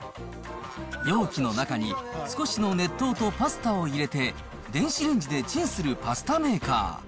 容器の中に少しの熱湯とパスタを入れて、電子レンジでチンするパスタメーカー。